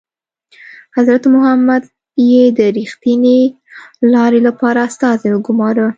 حضرت محمد یې د ریښتینې لارې لپاره استازی وګوماره.